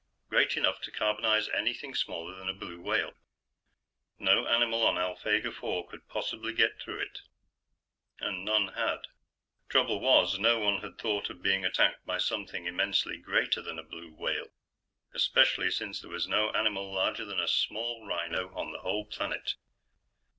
great enough to carbonize anything smaller than a blue whale. No animal on Alphegar IV could possibly get through it. And none had. Trouble was, no one had thought of being attacked by something immensely greater than a blue whale, especially since there was no animal larger than a small rhino on the whole planet.